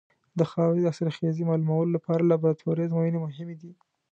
د خاورې د حاصلخېزۍ معلومولو لپاره لابراتواري ازموینې مهمې دي.